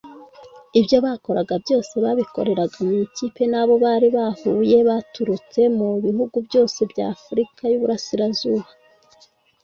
ibyo bakoraga byose babikoreraga mu ikipe n'abo bari bahuye baturutse mu bihugu byose bya Afurika y'uburasirazuba